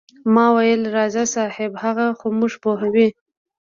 ما وې راز صاحب هغه خو موږ پوهوي.